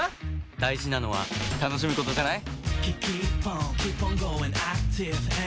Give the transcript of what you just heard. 大事なのは楽しむことじゃない？